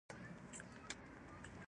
کور کلي کښې پۀ مدرسې دادا مشهور شو